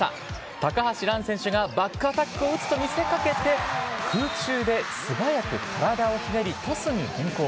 高橋藍選手がバックアタックを打つと見せかけて、空中で素早く体をひねり、トスに転向。